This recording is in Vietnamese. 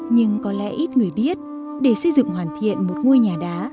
nhưng có lẽ ít người biết để xây dựng hoàn thiện một ngôi nhà đá